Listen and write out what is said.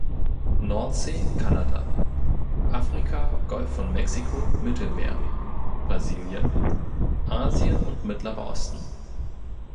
Nordsee, Kanada; Afrika, Golf von Mexiko, Mittelmeer; Brasilien; Asien und Mittlerer Osten.